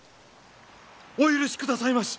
お許しくださいまし！